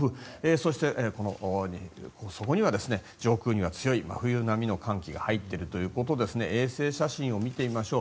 そして、そこには上空には強い真冬並みの寒気が入っているということで衛星写真を見てみましょう。